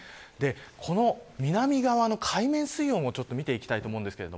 この南側の海面水温を見ていきたいと思います。